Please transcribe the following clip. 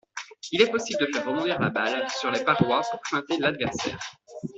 Il est possible de faire rebondir la balle sur les parois pour feinter l'adversaire.